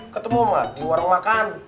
ketemu mah di warung makan